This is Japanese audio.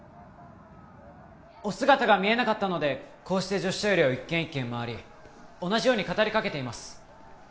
お姿が見えなかったのでこうして女子トイレを一軒一軒回り同じように語りかけています